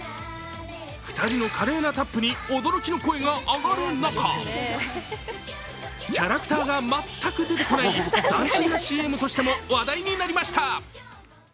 ２人の華麗なタップに驚きの声が上がる中キャラクターが全く出てこない斬新なＣＭとしても話題になりました。